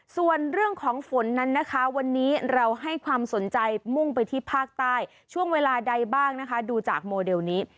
ส่วนเรื่องของฝนนั้นนะคะวันนี้เราให้ความสนใจมุ่งไปที่ภาคใต้ช่วงเวลาใดบ้างนะคะดูจากโมเดลนี้